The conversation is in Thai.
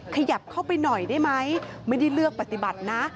ขยับเข้าไปหน่อยได้ไหมไม่ได้เลือกปฏิบัตินะ